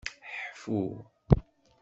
Ḥfu.